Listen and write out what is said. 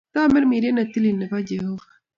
Tamirmiriet ne tilil ne po Jehova.